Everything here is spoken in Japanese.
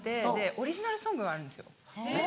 オリジナルソングがあるんですよ